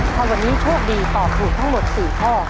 คราวนี้ช่วงดีตอบถูกทั้งหมด๔ข้อ